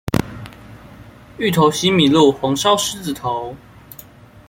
芋頭西米露，紅燒獅子頭